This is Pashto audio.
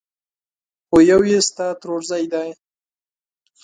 خو يو يې ستا ترورزی دی!